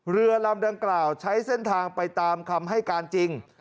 เรือลำดังกล่าวใช้เส้นทางไปตามคำให้การจริง